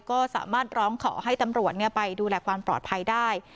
ก็สามารถร้องขอให้ตำรวจไปดูแลความปลอดภัยได้